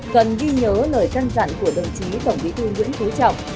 cần ghi nhớ lời căng dặn của đồng chí tổng bí thư nguyễn thú trọng